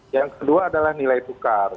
yang kedua adalah nilai tukar